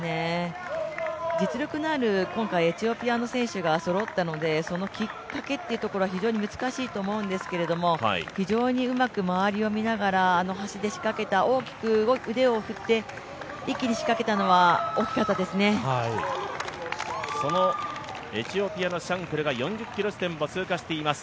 実力のある今回エチオピアの選手がそろったのでそのきっかけっていうところは非常に難しいと思うんですけど非常にうまく周りを見ながら、あの橋で仕掛けた、大きく腕を振って一気に仕掛けたのはそのエチオピアのシャンクルが４０ｋｍ地点を通過しています。